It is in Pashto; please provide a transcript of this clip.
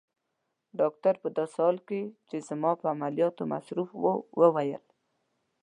ډاکټر په داسې حال کې چي زما په عملیاتو مصروف وو وویل.